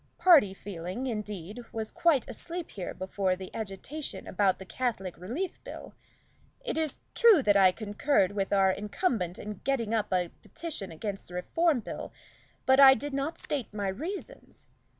Party feeling, indeed, was quite asleep here before the agitation about the Catholic Relief Bill. It is true that I concurred with our incumbent in getting up a petition against the Reform Bill, but I did not state my reasons.